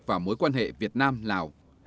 và mối quan hệ việt nam lào